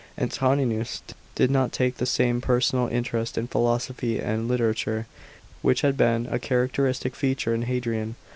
Antoninus did not take the same personal interest in philosophy and literature, which had been a characteristic feature in Hadrian.